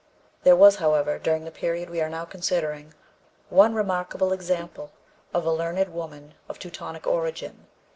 There was, however, during the period we are now considering, one remarkable example of a learned woman of Teutonic origin.